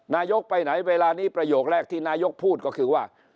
นายกไปไหนเวลานี้ประโยคแรกที่นายกพูดก็คือว่า